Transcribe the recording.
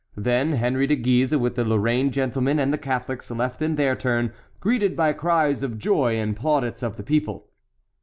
Then Henry de Guise, with the Lorraine gentlemen and the Catholics, left in their turn, greeted by cries of joy and plaudits of the people.